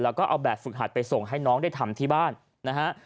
แล้วก็เอาแบบฝึกหัดไปส่งให้น้องได้ทำที่บ้านนะฮะ